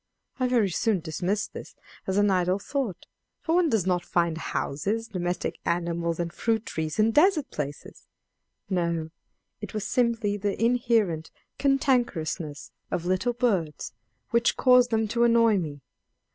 I very soon dismissed this as an idle thought, for one does not find houses, domestic animals, and fruit trees in desert places. No, it was simply the inherent cantankerousness of little birds which caused them to annoy me.